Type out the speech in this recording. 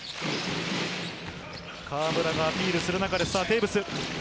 河村がアピールする中で、テーブス。